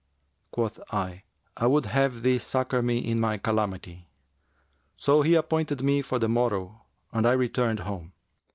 Quoth I, 'I would have thee succour me in my calamity.' So he appointed me for the morrow and I returned home.